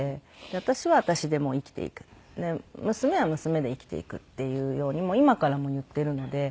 私は私でもう生きていく娘は娘で生きていくっていうように今から言っているので。